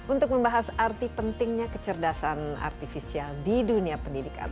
untuk membahas arti pentingnya kecerdasan artifisial di dunia pendidikan